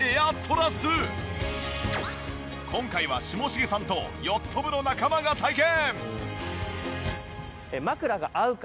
今回は下重さんとヨット部の仲間が体験！